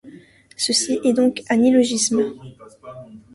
Ceci est donc un illogisme.